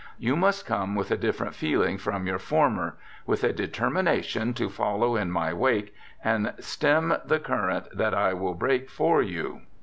You must come with a different feeling from your A BACKWOOD PHYSIOLOGIST 183 former — with a determination to follow in my wake and stem the current that I will break for you.